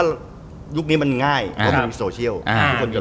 ตบตีกันกันหรอเนี่ยครอบนั้น